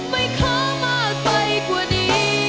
ไม่ค้ามากไปกว่านี้